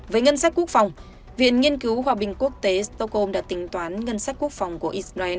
với ngân sách quốc phòng viện nghiên cứu hòa bình quốc tế stockholm đã tính toán ngân sách quốc phòng của israel